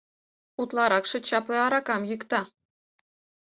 Утларакше чапле аракам йӱкта.